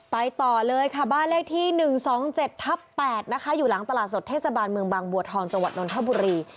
ไปต่อเลยค่ะบ้านเลขที่๑๒๗ทับ๘นะคะอยู่หลังตลาดสดเทศบาลเมืองบางบัวทองจังหวัดนทบุรี